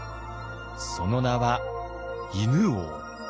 その名は犬王。